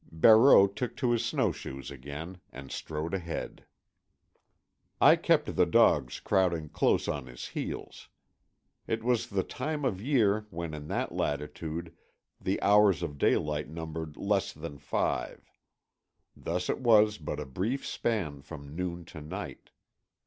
Barreau took to his snowshoes again, and strode ahead. I kept the dogs crowding close on his heels. It was the time of year when, in that latitude, the hours of daylight numbered less than five. Thus it was but a brief span from noon to night.